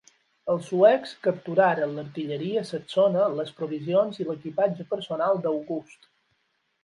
Els suecs capturaren l'artilleria saxona, les provisions i l'equipatge personal d'August.